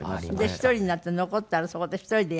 で１人になって残ったらそこで１人でやるの？